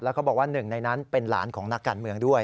เขาบอกว่าหนึ่งในนั้นเป็นหลานของนักการเมืองด้วย